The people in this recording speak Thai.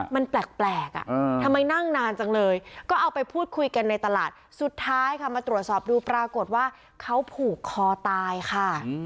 มันแปลกอ่ะทำไมนั่งนานจังเลยก็เอาไปพูดคุยกันในตลาดสุดท้ายค่ะมาตรวจสอบดูปรากฏว่าเขาผูกคอตายค่ะ